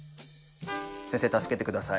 先生助けて下さい。